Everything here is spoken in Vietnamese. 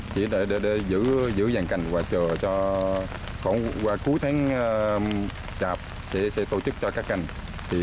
giữ dàn cành và chờ cho khoảng cuối tháng chạp sẽ tổ chức cho các cành